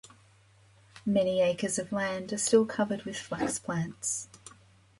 Many acres of land are still covered with flax plants.